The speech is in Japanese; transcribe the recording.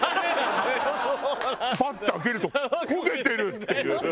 バッと開けると「焦げてる！」っていう。